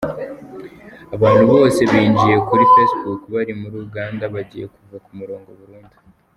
Abantu bose binjiye kuri facebook bari muri Uganda bagiye kuva ku murongo burundu.